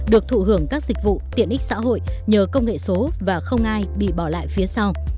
được thụ hưởng các dịch vụ tiện ích xã hội nhờ công nghệ số và không ai bị bỏ lại phía sau